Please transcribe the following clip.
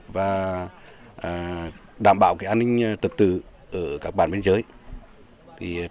và đảm bảo an ninh sản xuất